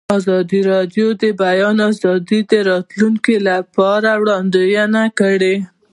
ازادي راډیو د د بیان آزادي د راتلونکې په اړه وړاندوینې کړې.